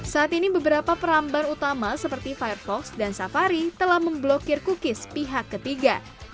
saat ini beberapa perambar utama seperti firefox dan safari telah memblokir cookies pihak ketiga